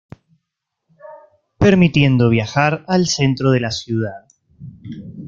Permitiendo viajar al centro de la ciudad.